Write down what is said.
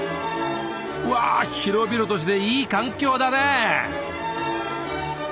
うわ広々としていい環境だね。